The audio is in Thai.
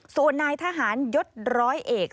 ส่วนนายทหารยศร้อยเอก